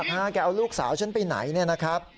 แกจะเอาลูกสาวฉันไปไหน